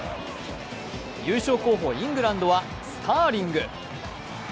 優勝候補、イングランドはスターリング。